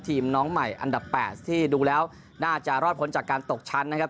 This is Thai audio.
น้องใหม่อันดับ๘ที่ดูแล้วน่าจะรอดพ้นจากการตกชั้นนะครับ